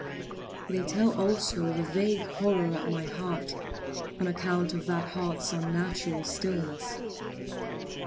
They tell also of a vague horror at my heart, on account of that heart’s unnatural stillness.